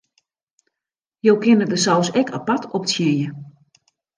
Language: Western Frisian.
Jo kinne de saus ek apart optsjinje.